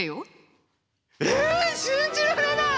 信じられない！